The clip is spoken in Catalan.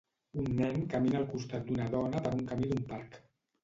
Un nen camina al costat d'una dona per un camí d'un parc.